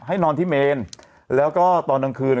นอนที่เมนแล้วก็ตอนกลางคืน